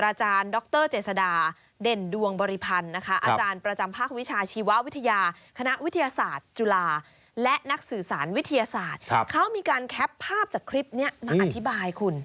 อาจารย์ดรเจษดาเด่นดวงบริพันธ์นะคะอาจารย์ประจำภาควิชาชีววิทยาคณะวิทยาศาสตร์จุฬาและนักสื่อสารวิทยาศาสตร์เขามีการแคปภาพจากคลิปนี้มาอธิบายคุณ